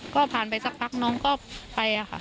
ก็ผ่านไปสักพักน้องก็ไปค่ะ